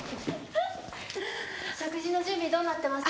食事の準備どうなってますか？